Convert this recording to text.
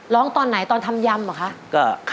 ตอนไหนตอนทำยำเหรอคะ